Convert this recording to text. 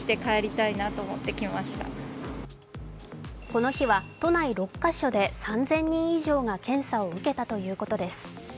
この日は都内６カ所で３０００人以上が検査を受けたということです。